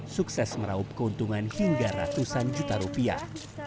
sukses meraup keuntungan hingga ratusan juta rupiah